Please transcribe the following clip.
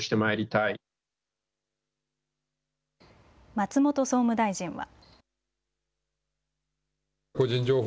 松本総務大臣は。